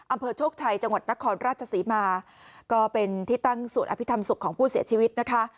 อำเภอโชคชัยจังหวัดนครราชศรีมาก็เป็นที่ตั้งสวดอภิษฐรรมศพของผู้เสียชีวิตนะคะ